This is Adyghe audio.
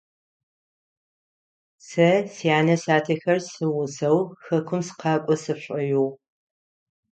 Сэ сянэ-сятэхэр сигъусэу хэкум сыкъакӏо сшӏоигъу.